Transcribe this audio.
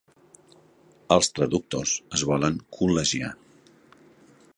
Els traductors es volen col·legiar.